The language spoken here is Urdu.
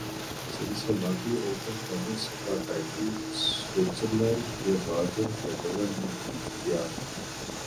سنسناٹی اوپن ٹینس کا ٹائٹل سوئٹزرلینڈ کے راجر فیڈرر نے جیت لیا